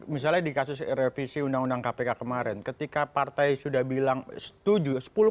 misalnya di kasus revisi undang undang kpk kemarin ketika partai sudah bilang setuju